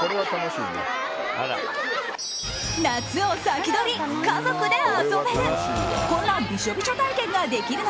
夏を先取り、家族で遊べる。